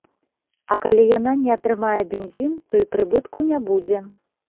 А калі яна не атрымае бензін, то і прыбытку не будзе.